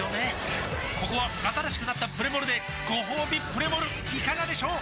ここは新しくなったプレモルでごほうびプレモルいかがでしょう？